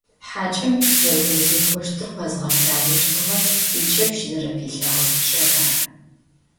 Хьакӏэм иш зэрэдэзекӏощтыр къэзгъэлъагъощтыгъэр икӏэпщ зэрэпилъэгъэ шӏыкӏэр ары.